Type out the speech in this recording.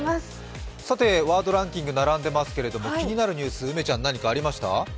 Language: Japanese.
ワードランキング、並んでいますけれども、気になるニュース、何かありましたか？